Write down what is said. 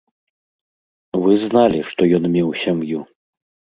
Вы зналі, што ён меў сям'ю.